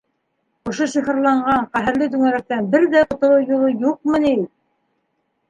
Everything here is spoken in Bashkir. Ошо сихырланған, ҡәһәрле түңәрәктән бер ҙә ҡотолоу юлы юҡмы ни?